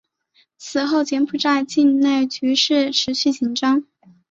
此后柬埔寨境内局势持续紧张。